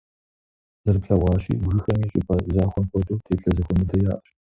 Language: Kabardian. Зэрыплъагъущи, бгыхэми, щӀыпӀэ захуэм хуэдэу, теплъэ зэхуэмыдэ яӀэщ.